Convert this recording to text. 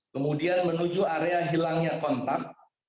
kemudian menuju area hilangnya kontak